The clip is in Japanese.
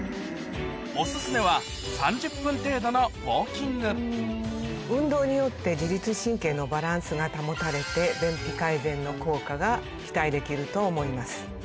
お薦めは３０分程度の運動によって自律神経のバランスが保たれて便秘改善の効果が期待できると思います。